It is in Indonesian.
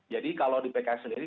jadi kalau di pks sendiri